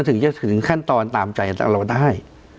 ถึงจะถึงขั้นตอนตามใจเราได้